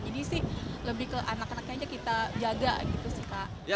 jadi sih lebih ke anak anaknya aja kita jaga gitu sih pak